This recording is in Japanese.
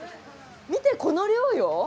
見てこの量よ。